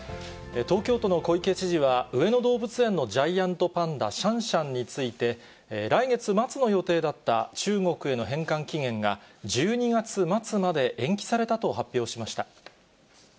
東京都の小池知事は、上野動物園のジャイアントパンダ、シャンシャンについて、来月末の予定だった中国への返還期限が、１２月末まで延期されたと発表しました。